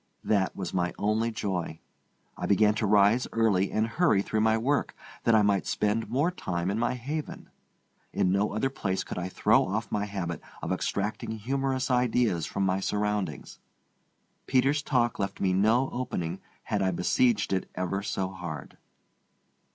That was my only joy. I began to rise early and hurry through my work, that I might spend more time in my haven. In no other place could I throw off my habit of extracting humorous ideas from my surroundings. Peter's talk left me no opening had I besieged it ever so hard.